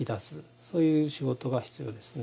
そういう仕事が必要ですね。